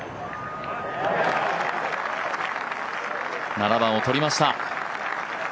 ７番をとりました。